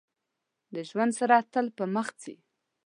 • د ژوند ساعت تل پر مخ ځي.